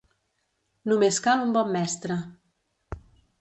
Només cal un bon mestre.